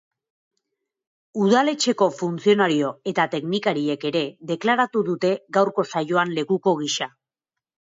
Udaletxeko funtzionario eta teknikariek ere deklaratu dute gaurko saioan lekuko gisa.